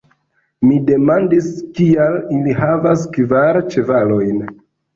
Mi demandis, kial ili havas kvar ĉevalojn.